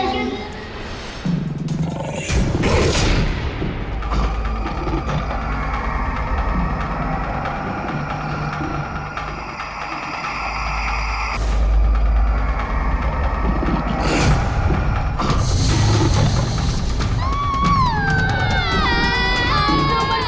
hantu berkepala macan